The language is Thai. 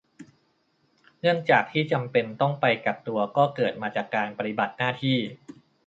เนื่องจากที่จำเป็นต้องไปกักตัวก็เกิดมาจากการปฏิบัติหน้าที่